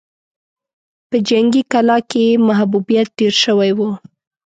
په جنګي کلا کې يې محبوبيت ډېر شوی و.